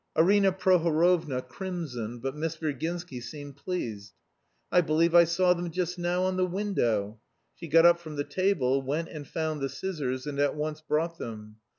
Arina Prohorovna crimsoned, but Miss Virginsky seemed pleased. "I believe I saw them just now on the window." She got up from the table, went and found the scissors, and at once brought them.